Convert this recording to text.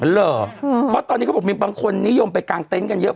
เพราะตอนนี้เขาบอกมีบางคนนิยมไปกางเต็นต์กันเยอะ